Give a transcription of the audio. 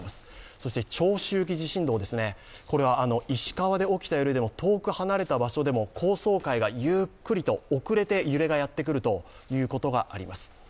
そして長周期地震動、石川で起きた揺れでも遠くの場所で高層階がゆっくりと遅れて揺れがやってくるということがあります。